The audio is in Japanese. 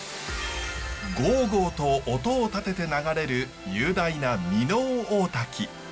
ごうごうと音を立てて流れる雄大な箕面大滝。